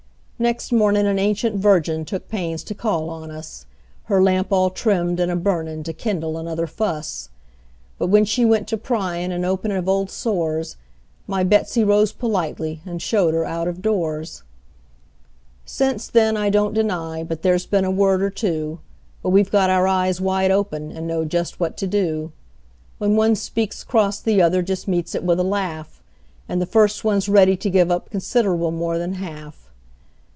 Next mornin' an ancient virgin took pains to call on us, Her lamp all trimmed and a burnin' to kindle another fuss; But when she went to pryin' and openin' of old sores, My Betsey rose politely, and showed her out of doors. "MY BETSEY ROSE POLITELY, AND SHOWED HER OUT OF DOORS." Since then I don't deny but there's been a word or two; But we've got our eyes wide open, and know just what to do: When one speaks cross the other just meets it with a laugh, And the first one's ready to give up considerable more than half.